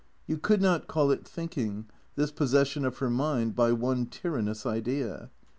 You could not call it thinking, this possession of her mind by one tyrannous idea.